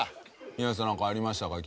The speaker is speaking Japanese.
稲垣さん何かありましたか？